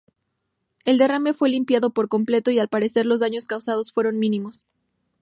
El derrame fue limpiado por completo y al parecer los daños causados fueron mínimos.